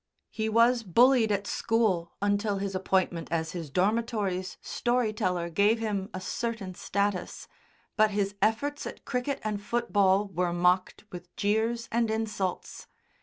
He was bullied at school until his appointment as his dormitory's story teller gave him a certain status, but his efforts at cricket and football were mocked with jeers and insults.